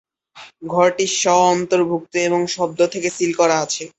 ঘরটি স্ব-অন্তর্ভুক্ত এবং শব্দ থেকে সিল করা আছে।